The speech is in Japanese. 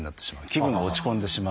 気分が落ち込んでしまう。